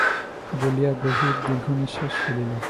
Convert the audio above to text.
বলিয়া গভীর দীর্ঘনিশ্বাস ফেলিল।